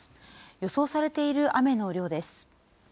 予想されている雨の量です。